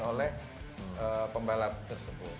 oleh pembalap tersebut